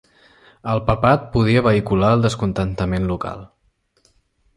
El Papat podia vehicular el descontentament local.